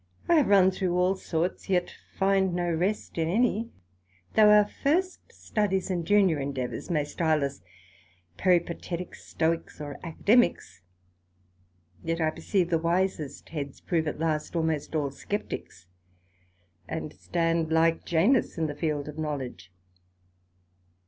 I have run through all sorts, yet find no rest in any: though our first studies and junior endeavours may style us Peripateticks, Stoicks, or Academicks, yet I perceive the wisest heads prove, at last, almost all Scepticks, and stand like Janus in the field of knowledge.